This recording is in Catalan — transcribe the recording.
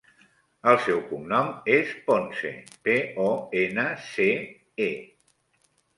El seu cognom és Ponce: pe, o, ena, ce, e.